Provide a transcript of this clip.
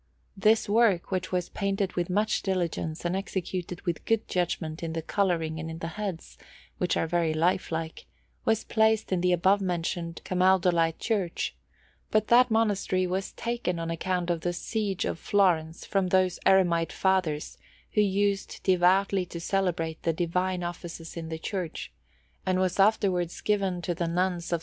This work, which was painted with much diligence, and executed with good judgment in the colouring and in the heads, which are very lifelike, was placed in the above mentioned Camaldolite Church; but that monastery was taken on account of the siege of Florence from those Eremite Fathers, who used devoutly to celebrate the Divine offices in the church, and was afterwards given to the Nuns of S.